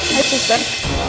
hai sus ren